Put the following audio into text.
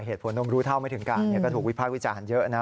เหตุผลต้องรู้เท่าไม่ถึงการก็ถูกวิพากษ์วิจารณ์เยอะนะ